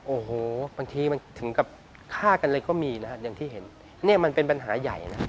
โอ้โหบางทีมันถึงกับฆ่ากันเลยก็มีนะฮะอย่างที่เห็นเนี่ยมันเป็นปัญหาใหญ่นะครับ